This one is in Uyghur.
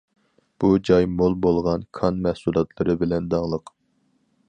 بۇ جاي مول بولغان كان مەھسۇلاتلىرى بىلەن داڭلىق.